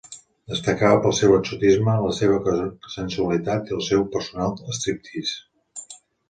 Destacava pel seu exotisme la seva sensualitat i el seu personal striptease.